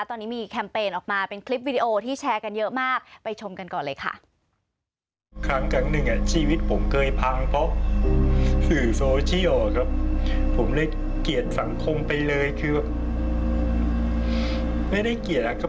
ตอนนี้มีแคมเปญออกมาเป็นคลิปวิดีโอที่แชร์กันเยอะมากไปชมกันก่อนเลยค่ะ